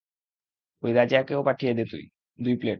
ওই রাজিয়াকেও পাঠিয়ে দে, দুই প্লেট।